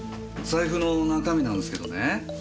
財布の中身なんすけどね。